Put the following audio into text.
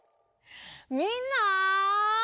みんな！